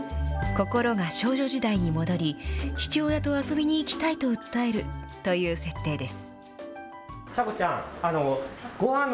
心が少女時代に戻り、父親と遊びに行きたいと訴えるという設定です。